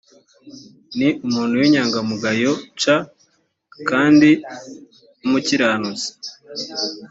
ni umuntu w inyangamugayo c kandi w umukiranutsi